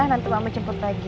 nanti mama jemput lagi